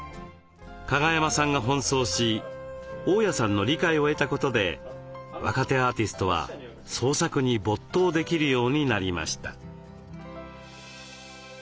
加賀山さんが奔走し大家さんの理解を得たことで若手アーティストは創作に没頭できるようになりました。